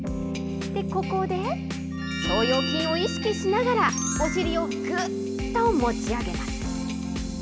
ここで腸腰筋を意識しながら、お尻をぐっと持ち上げます。